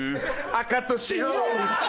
赤と白！」